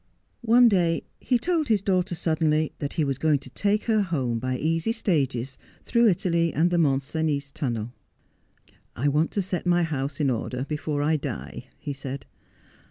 One day, he told his daughter suddenly that he was going to take her home by easy stages, through Italy and the Mont Cenis tunnel. ' I want to set my house in order before I die,' he said.